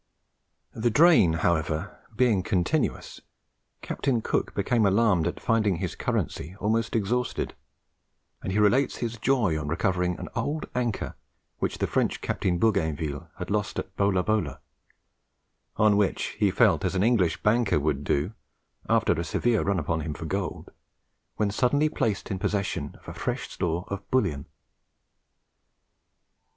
The drain, however, being continuous, Captain Cook became alarmed at finding his currency almost exhausted; and he relates his joy on recovering an old anchor which the French Captain Bougainville had lost at Bolabola, on which he felt as an English banker would do after a severe run upon him for gold, when suddenly placed in possession of a fresh store of bullion.